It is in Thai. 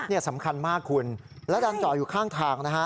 นี่สำคัญมากคุณและดันจอดอยู่ข้างทางนะฮะ